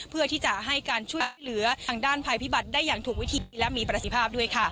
เพื่อที่จะให้การช่วยเหลือทางด้านภัยพิบัติได้อย่างถูกวิธีและมีประสิทธิภาพด้วยค่ะ